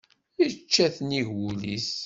Yečča-t nnig wul-is.